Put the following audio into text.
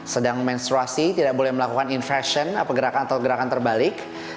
sedang menstruasi tidak boleh melakukan infrasion atau gerakan terbalik